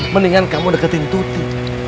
mendingan kamu deketin tuhti